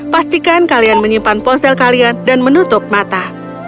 pastikan kalian menyimpan ponsel kalian dan menutup mata